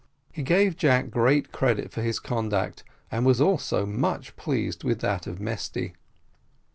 He gave Jack great credit for his conduct, and was also much pleased with that of Mesty.